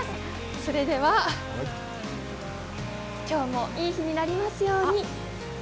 それでは、今日もいい日になりますように。